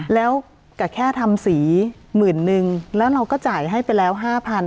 แล้วก็แค่ทำสีหมื่นนึงแล้วเราก็จ่ายให้ไปแล้ว๕๐๐